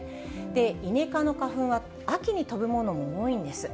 イネ科の花粉は秋に飛ぶものも多いんです。